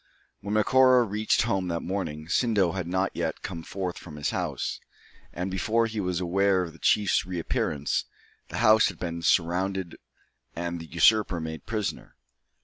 When Macora reached home that morning, Sindo had not yet come forth from his house; and, before he was aware of the chief's reappearance, the house had been surrounded and the usurper made prisoner.